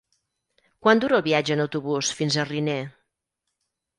Quant dura el viatge en autobús fins a Riner?